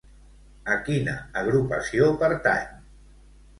A quina agrupació pertany?